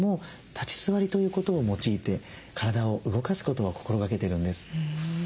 立ち座りということを用いて体を動かすことを心がけてるんです。